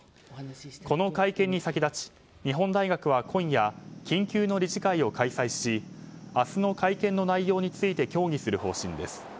この会見に先立ち日本大学は今夜緊急の理事会を開催し明日の会見の内容について協議する方針です。